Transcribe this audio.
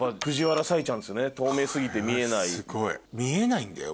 見えないんだよ